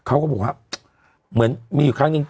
เขาก็บอกว่าเหมือนมีอยู่ครั้งนึง